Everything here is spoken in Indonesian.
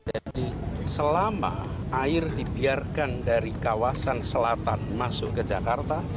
jadi selama air dibiarkan dari kawasan selatan masuk ke jakarta